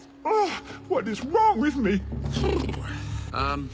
ああ。